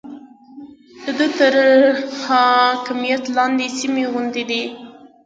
د ده تر حاکميت لاندې سيمې خوندي دي.